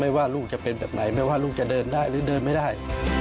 ว่าลูกจะเป็นแบบไหนไม่ว่าลูกจะเดินได้หรือเดินไม่ได้